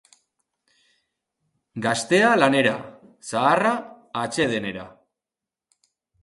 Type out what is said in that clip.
Gaztea lanera, zaharra atsedenera.